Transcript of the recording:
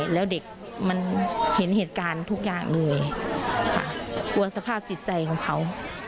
แล้วเด็กมันเห็นเหตุการณ์ทุกอย่างเลยค่ะกลัวสภาพจิตใจของเขา